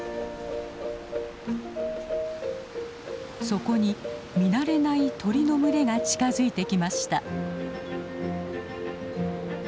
そこに見慣れない鳥の群れが近づいてきました。